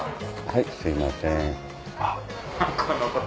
はいすいません。